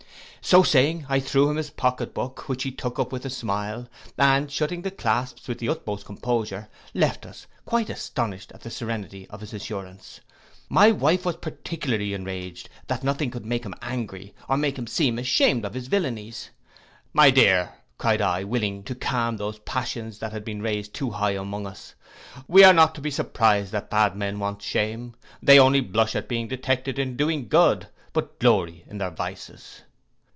So saying, I threw him his pocket book, which he took up with a smile, and shutting the clasps with the utmost composure, left us, quite astonished at the serenity of his assurance. My wife was particularly enraged that nothing could make him angry, or make him seem ashamed of his villainies. 'My dear,' cried I, willing to calm those passions that had been raised too high among us, 'we are not to be surprised that bad men want shame; they only blush at being detected in doing good, but glory in their vices.